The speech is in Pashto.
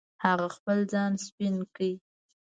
هغه خپل ځان سپین کړ.